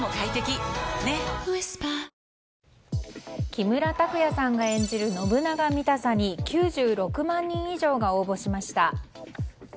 木村拓哉さんが演じる信長見たさに９６万人以上が応募しました。